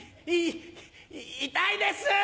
い痛いです！